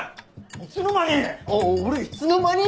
いつの間に！